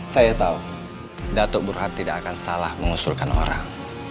saya tahu datuk burhan tidak akan salah mengusulkan orang